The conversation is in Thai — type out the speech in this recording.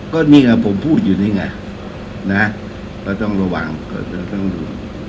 ก็นี่อะผมพูดอยู่นี่ไง